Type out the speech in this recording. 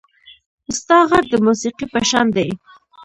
• ستا غږ د موسیقۍ په شان دی.